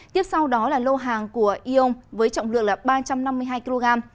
tiếp sau đó là lô hàng của ion với trọng lượng là ba trăm năm mươi hai kg